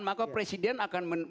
maka presiden akan membayangkan